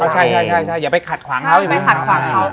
ใช่อย่าไปขัดขวางเขาอย่างนี้